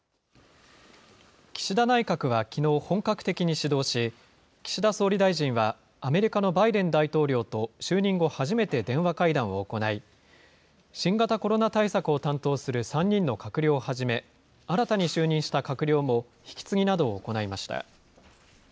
岸田内閣はきのう、本格的に始動し、岸田総理大臣は、アメリカのバイデン大統領と就任後初めて電話会談を行い、新型コロナ対策を担当する３人の閣僚をはじめ、新たに就任した閣僚も引き継ぎなどを行いました。